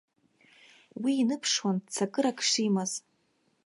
Уи иныԥшуан ццакырак шимаз.